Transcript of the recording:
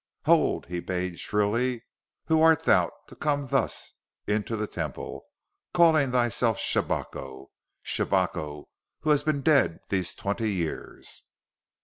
"Hold!" he bade shrilly. "Who art thou to come thus into the Temple, calling thyself Shabako Shabako, who has been dead these twenty years?"